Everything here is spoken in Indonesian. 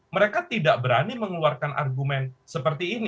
mereka tidak berani mengeluarkan argumen seperti ini